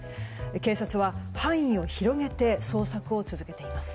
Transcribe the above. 警察は、範囲を広げて捜索を続けています。